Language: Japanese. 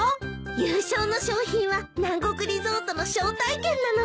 優勝の賞品は南国リゾートの招待券なの。